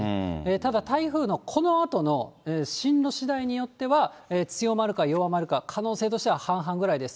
ただ、台風のこのあとの進路しだいによっては、強まるか弱まるか、可能性としては半々ぐらいです。